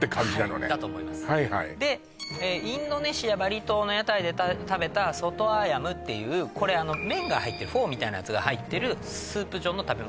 はいだと思いますでインドネシア・バリ島の屋台で食べたソトアヤムっていう麺が入ってるフォーみたいなやつが入ってるスープ状の食べ物